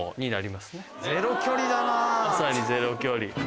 まさにゼロ距離。